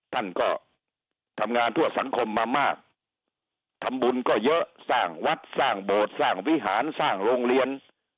ท่านก็ทำงานเพื่อสังคมมามากทำบุญก็เยอะสร้างวัดสร้างโบสถ์สร้างวิหารสร้างโรงเรียน